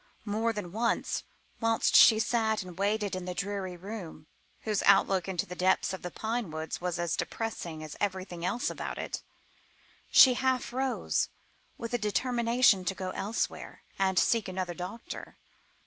More than once, whilst she sat and waited in the dreary room, whose outlook into the depths of the pine woods was as depressing as everything else about it, she half rose, with a determination to go elsewhere and seek another doctor.